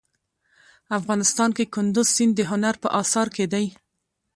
افغانستان کې کندز سیند د هنر په اثار کې دی.